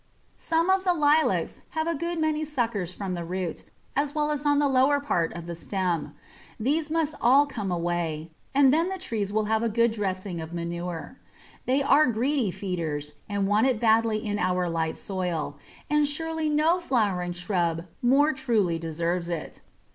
Some of the Lilacs have a good many suckers from the root, as well as on the lower part of the stem. These must all come away, and then the trees will have a good dressing of manure. They are greedy feeders, and want it badly in our light soil, and surely no flowering shrub more truly deserves it.